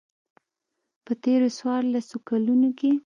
په تېرو څوارلسو کلونو کې.